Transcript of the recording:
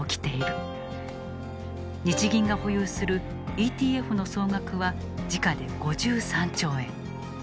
日銀が保有するＥＴＦの総額は時価で５３兆円。